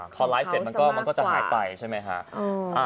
พอไลฟ์เสร็จมันก็จะหายไปใช่ไหมฮะ